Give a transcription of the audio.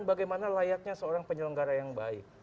bagaimana layaknya seorang penyelenggara yang baik